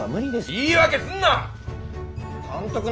言い訳すんな！